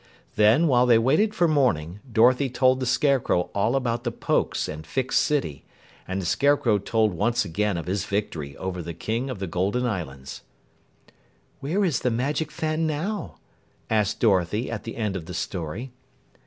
Then, while they waited for morning, Dorothy told the Scarecrow all about the Pokes and Fix City, and the Scarecrow told once again of his victory over the king of the Golden Islands. "Where is the magic fan now?" asked Dorothy at the end of the story.